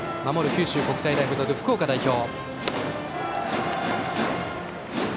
九州国際大付属、福岡代表。